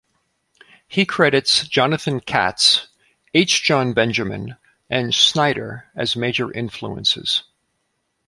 He credits Jonathan Katz, H. Jon Benjamin, and Snyder as major influences.